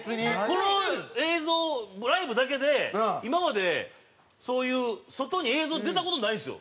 この映像ライブだけで今までそういう外に映像出た事ないですよ。